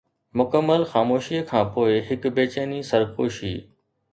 مڪمل خاموشيءَ کانپوءِ هڪ بيچيني سرگوشي